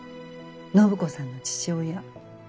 暢子さんの父親。